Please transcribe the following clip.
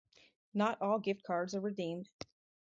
Not all gift cards are redeemed.